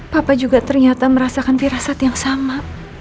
papa juga ternyata merasakan tirasat yang sama